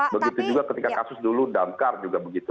begitu juga ketika kasus dulu damkar juga begitu